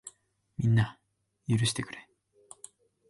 みんな、許してくれ。